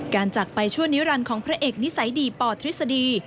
จากไปชั่วนิรันดิ์ของพระเอกนิสัยดีปทฤษฎี